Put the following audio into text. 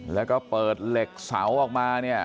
แล้วก็เปิดเหล็กเสาออกมา